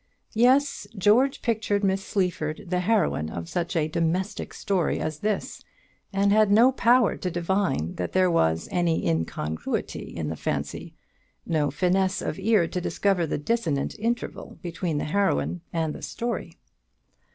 Yes; George pictured Miss Sleaford the heroine of such a domestic story as this, and had no power to divine that there was any incongruity in the fancy; no fineness of ear to discover the dissonant interval between the heroine and the story.